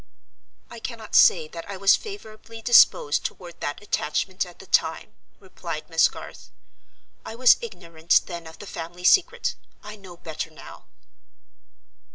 "I cannot say that I was favorably disposed toward that attachment at the time," replied Miss Garth. "I was ignorant then of the family secret: I know better now."